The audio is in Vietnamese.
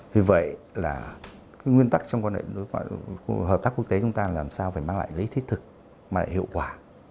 vì vậy là nguyên tắc trong quan hệ đối ngoại hợp tác quốc tế chúng ta làm sao phải mang lại lý thích thực mang lại hiệu quả